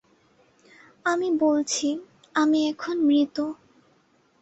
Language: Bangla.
আমি বলছি, আমি এখন মৃত।